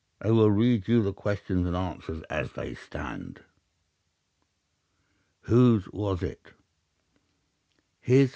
I will read you the questions and answers as they stand. "'Whose was it?